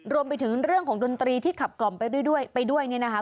รวมไปถึงเรื่องของดนตรีที่ขับกล่อมไปด้วยไปด้วยเนี่ยนะคะ